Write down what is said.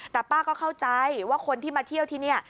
แต่ป้าก็เข้าใจว่าคนที่มาเที่ยวที่นี่